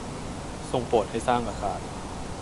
ทรงโปรดให้สร้างอาคาร